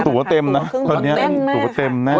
ตัวเต็มนะตัวเต็มแน่ค่ะ